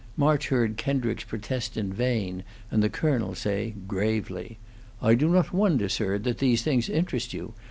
March heard Kendricks protest in vain, and the colonel say, gravely: "I do not wonder, sir, that these things interest you.